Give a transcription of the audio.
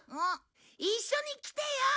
一緒に来てよー！